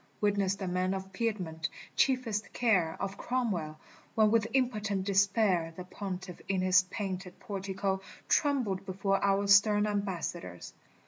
Witness the men of Piedmont, chiefest care Of Cromwell, when with impotent despair The Pontiff in his painted portico Trembled before our stern ambassadors.